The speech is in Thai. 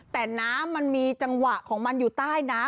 แต่น้ำมันมีจังหวะของมันอยู่ใต้น้ำ